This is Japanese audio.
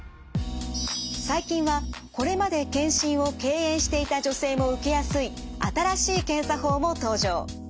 最近はこれまで検診を敬遠していた女性も受けやすい新しい検査法も登場。